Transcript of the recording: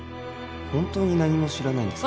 本当に何も知らないんですか？